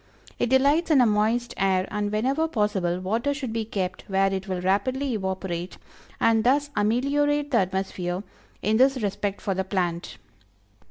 It delights in a moist air, and whenever possible, water should be kept where it will rapidly evaporate, and thus ameliorate the atmosphere in this respect for the plant.